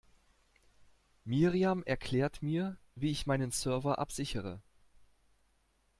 Miriam erklärt mir, wie ich meinen Server absichere.